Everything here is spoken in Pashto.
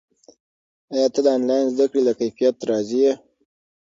ایا ته د آنلاین زده کړې له کیفیت راضي یې؟